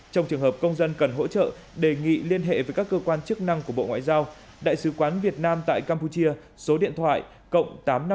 trong trường hợp công dân cần hỗ trợ đề nghị liên hệ với các cơ quan chức năng của bộ ngoại giao đại sứ quán việt nam tại campuchia số điện thoại cộng tám trăm năm mươi năm hai trăm ba mươi bảy hai trăm sáu mươi hai bảy mươi bốn